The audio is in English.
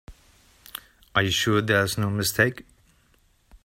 Are you sure there's no mistake?